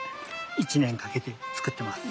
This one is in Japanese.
１年かけて作ってます。